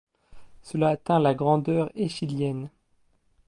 Cela atteint la grandeur eschylienne.